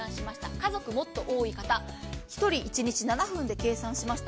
家族がもっと多い方、１人一日７分で計算しました。